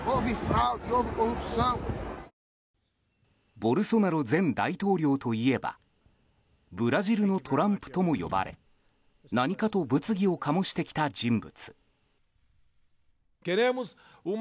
ボルソナロ前大統領といえばブラジルのトランプとも呼ばれ何かと物議を醸してきた人物。